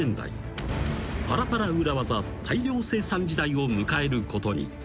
［パラパラ裏技大量生産時代を迎えることに］